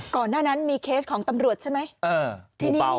ก่อนหน้านั้นมีเคสของตำรวจใช่ไหม